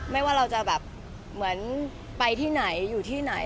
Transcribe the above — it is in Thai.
ไม่ว่าเราจะไปที่ไหนอยู่ที่ไหน